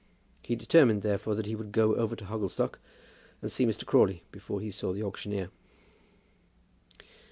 He determined, therefore, that he would go over to Hogglestock, and see Mr. Crawley before he saw the auctioneer.